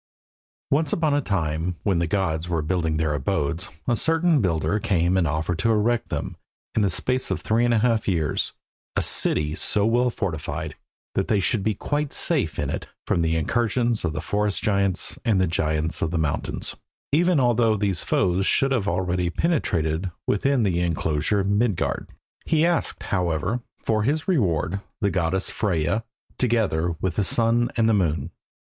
Once upon a time, when the gods were building their abodes, a certain builder came and offered to erect them, in the space of three half years, a city so well fortified that they should be quite safe in it from the incursions of the forest giants and the giants of the mountains, even although these foes should have already penetrated within the enclosure Midgard. He asked, however, for his reward, the goddess Freyja, together with the sun and moon.